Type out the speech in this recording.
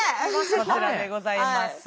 こちらでございます。